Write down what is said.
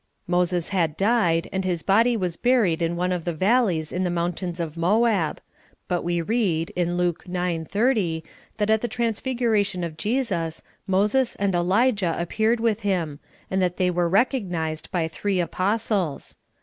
Moses had died, and his body was buried in one of the val leys in the mountains of Moab ; but we read, in Luke 9: 30, that at the transfiguration of Jesus, Moses and Elijah appeared with Him, and that they were recog nized by three apOvStles.